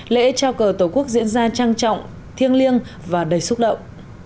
lễ trao cờ tổ quốc diễn ra trang trọng thiêng liêng và đầy xúc động